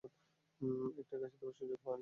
একটা কাশি দেওয়ারও সুযোগ পাবে না।